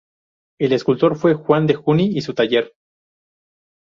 El escultor fue Juan de Juni y su taller.